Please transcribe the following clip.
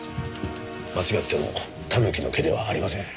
間違ってもタヌキの毛ではありません。